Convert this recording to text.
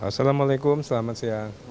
assalamualaikum selamat siang